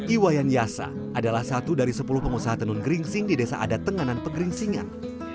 iwayan yasa adalah satu dari sepuluh pengusaha tenun geringsing di desa adat tenganan pegeringsingan